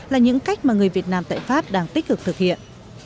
là những cách mà người việt nam tại pháp đang tích cực thực hiện